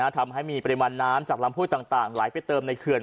ทำให้มีปริมาณน้ำจากลำห้วยต่างไหลไปเติมในเขื่อน